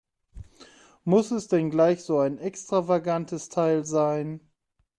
Muss es denn gleich so ein extravagantes Teil sein?